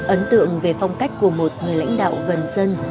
ấn tượng về phong cách của một người lãnh đạo gần dân